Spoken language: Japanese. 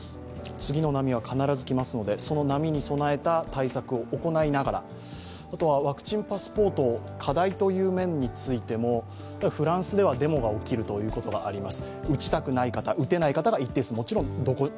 次の波は必ず来ますので、その波に備えた対策をしながら、あとはワクチンパスポート、課題という面についてもフランスではデモが起きるということがあります。